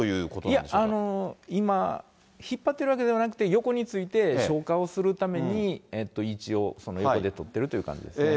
いや、今引っ張ってるわけじゃなくて、横について、消火をするために位置を横で取ってるという感じですね。